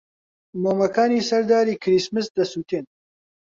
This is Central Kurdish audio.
مۆمەکانی سەر داری کریسمس دەسووتێن.